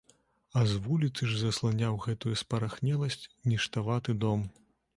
А з вуліцы ж засланяў гэтую спарахнеласць ніштаваты дом.